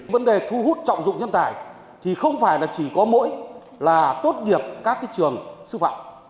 vấn đề thu hút trọng dụng nhân tài thì không phải là chỉ có mỗi là tốt nghiệp các trường sư phạm